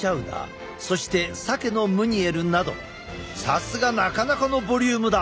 さすがなかなかのボリュームだ！